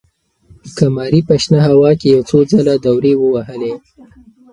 قمري په شنه هوا کې یو څو ځله دورې ووهلې.